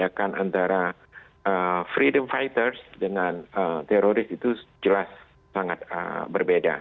tindakan antara freedom fighters dengan teroris itu jelas sangat berbeda